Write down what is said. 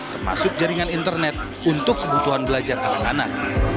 termasuk jaringan internet untuk kebutuhan belajar anak anak